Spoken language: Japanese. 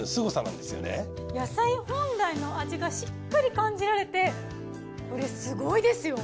野菜本来の味がしっかり感じられてこれすごいですよ。